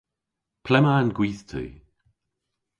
Ple'ma'n gwithti?